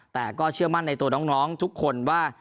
แต่ก็เชื่อมั่นในตัวน้องทุกคนว่า